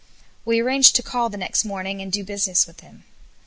We arranged to call next morning and do business with him.